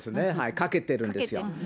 かけてるんですよ。